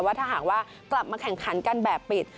ว่าถ้าหากว่ากลับมาแข่งขันกันแบบปิด